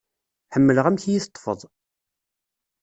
Ḥemmleɣ amek i yi-teṭfeḍ.